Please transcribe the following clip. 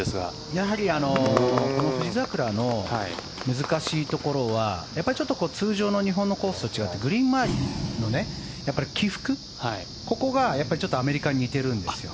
富士桜の難しいところはちょっと通常の日本のコースと違ってグリーン周りの起伏、ここがアメリカに似ているんですよ。